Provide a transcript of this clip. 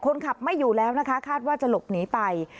คนขับไม่อยู่แล้วนะคะคาดว่าจะหลบหนีไป